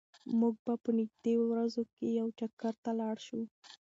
موږ به په نږدې ورځو کې یو چکر ته لاړ شو.